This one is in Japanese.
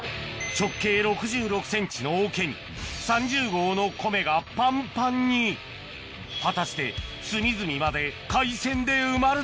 直径６６ｃｍの桶に３０合の米がパンパンに果たして隅々まで海鮮でこれで。